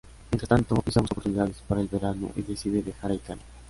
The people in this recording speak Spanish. Mientras tanto, Lisa busca oportunidades para el verano y decide viajar a Italia.